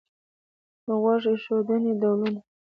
د غوږ ایښودنې ډولونه